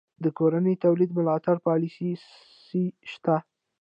د کورني تولید ملاتړ پالیسي شته؟